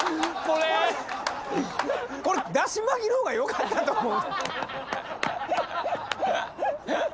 これだし巻きの方がよかったと思うで。